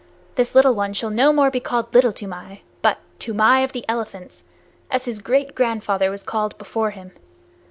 This little one shall no more be called Little Toomai, but Toomai of the Elephants, as his great grandfather was called before him.